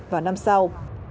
vào năm sau